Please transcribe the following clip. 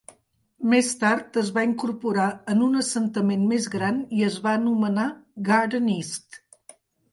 Més tard es va incorporar en un assentament més gran i es va anomenar Garden East.